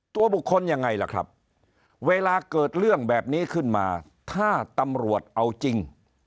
ตัวบุคคลยังไงล่ะครับเวลาเกิดเรื่องแบบนี้ขึ้นมาถ้าตำรวจเอาจริง